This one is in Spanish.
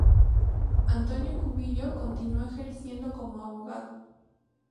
Antonio Cubillo continuó ejerciendo como abogado.